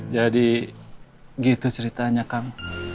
jadi gitu ceritanya kamu